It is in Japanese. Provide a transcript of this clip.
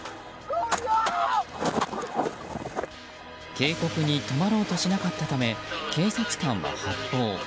警告に止まろうとしなかったため、警察官は発砲。